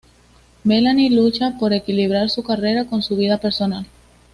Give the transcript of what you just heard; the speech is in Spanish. Melanie lucha para equilibrar su carrera con su vida personal.